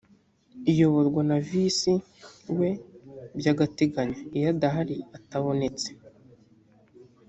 iyoborwa na visi we by’agateganyo iyo adahari atabonetse